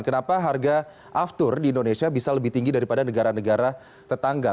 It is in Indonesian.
kenapa harga aftur di indonesia bisa lebih tinggi daripada negara negara tetangga